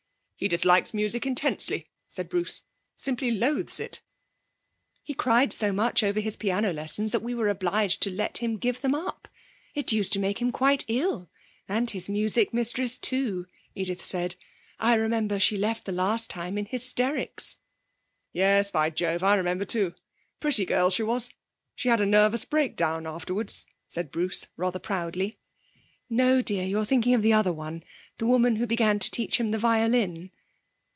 'He dislikes music intensely,' said Bruce. 'Simply loathes it.' 'He cried so much over his piano lessons that we were obliged to let him give them up. It used to make him quite ill and his music mistress too,' Edith said. 'I remember she left the last time in hysterics.' 'Yes, by Jove, I remember too. Pretty girl she was. She had a nervous breakdown afterwards,' said Bruce rather proudly. 'No, dear; you're thinking of the other one the woman who began to teach him the violin.'